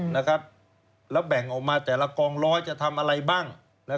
แล้วแบ่งออกมาแต่ละกองร้อยจะทำอะไรบ้าง